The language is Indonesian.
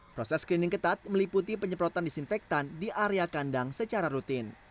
proses screening ketat meliputi penyemprotan disinfektan di area kandang secara rutin